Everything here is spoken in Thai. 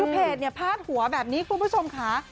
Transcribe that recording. เพจพาดหัวแบบนี้คุณผู้ชมค่ะ